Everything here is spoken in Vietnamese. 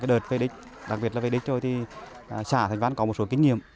qua những đợt về địch đặc biệt là về địch rồi thì xã thạch văn có một số kinh nghiệm